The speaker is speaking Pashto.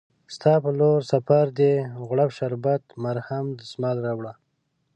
ستا په لورسفردي، غوړپ شربت، مرهم، دسمال راوړه